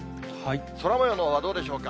空もようのほうはどうでしょうか。